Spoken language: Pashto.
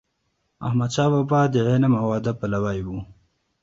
احمد شاه بابا د علم او ادب پلوی و.